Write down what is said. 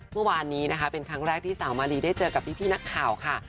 เมื่อวานนี้นะคะเป็นครั้งแรกที่สาวมารีได้เจอกับพี่นักข่าวค่ะ